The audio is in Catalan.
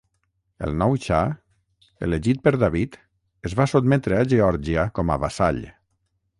El nou xa, elegit per David, es va sotmetre a Geòrgia com a vassall.